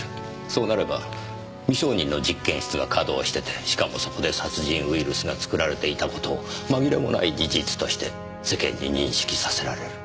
そうなれば未承認の実験室が稼動しててしかもそこで殺人ウイルスが作られていた事を紛れもない事実として世間に認識させられる。